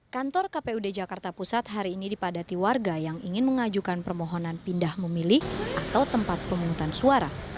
kantor kpud jakarta pusat hari ini dipadati warga yang ingin mengajukan permohonan pindah memilih atau tempat pemungutan suara